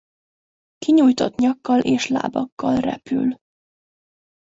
Kinyújtott nyakkal és lábakkal repül.